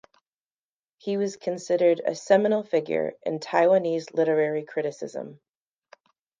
He was considered a seminal figure in Taiwanese literary criticism.